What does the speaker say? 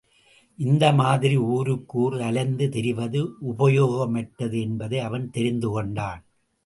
இந்த மாதிரி ஊருக்கு ஊர் அலைந்து திரிவது உபயோகமற்றது என்பதை அவன் தெரிந்து கொண்டான்.